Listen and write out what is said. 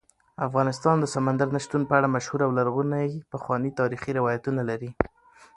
افغانستان د سمندر نه شتون په اړه مشهور او لرغوني پخواني تاریخی روایتونه لري.